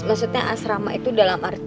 maksudnya asrama itu dalam asrama itu